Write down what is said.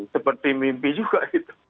seperti mimpi juga gitu